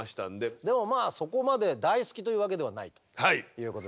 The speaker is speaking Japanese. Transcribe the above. でもまあそこまで大好きというわけではないと？